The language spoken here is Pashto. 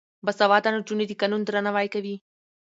باسواده نجونې د قانون درناوی کوي.